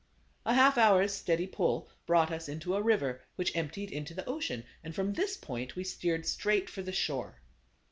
A half hour's steady pull brought us into a river which emptied into the ocean, and from this point we steered straight for the shore.